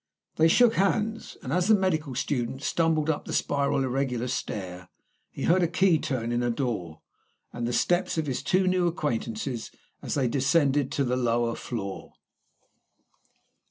They shook hands, and as the medical student stumbled up the spiral and irregular stair he heard a key turn in a door, and the steps of his two new acquaintances as they descended to the lower floor.